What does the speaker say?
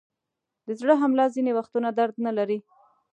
د زړه حمله ځینې وختونه درد نلري.